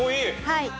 はい。